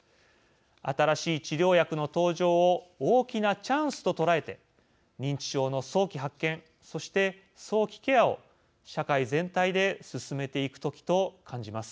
新しい治療薬の登場を大きなチャンスと捉えて認知症の早期発見そして、早期ケアを社会全体で進めていく時と感じます。